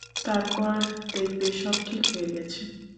তারপর দেখবে সব ঠিক হয়ে গেছে।